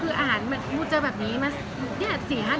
แล้วผมอาหารเจอแบบนี้มา๔๕เดือนยังค่อนข้างหนัก๓คน